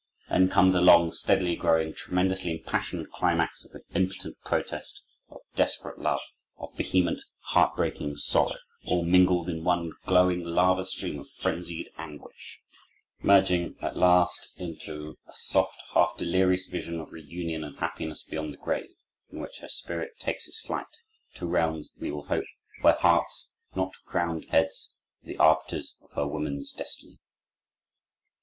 Then comes a long, steadily growing, tremendously impassioned climax of impotent protest, of desperate love, of vehement, heart breaking sorrow, all mingled in one glowing lava stream of frenzied anguish, merging at last into a soft, half delirious vision of reunion and happiness beyond the grave, in which her spirit takes its flight, to realms, we will hope, where hearts, not crowned heads, were the arbiters of her woman's destiny.